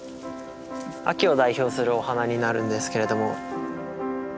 秋を代表するお花になるんですけれども。